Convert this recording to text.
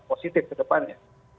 positif ke depannya